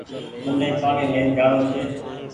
مني پآڻيٚ لين جآڻو ڇي۔